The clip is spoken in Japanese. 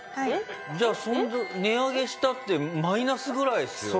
じゃあ値上げしたってマイナスぐらいですよ